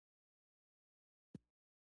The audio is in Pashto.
د قيامت د ورځې نومونه